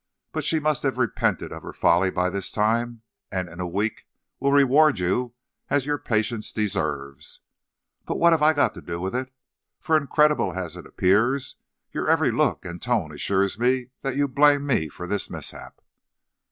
But she must have repented of her folly by this time, and in a week will reward you as your patience deserves. But what have I got to do with it? For incredible as it appears, your every look and tone assures me that you blame me for this mishap.'